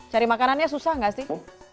cari makanannya susah nggak sih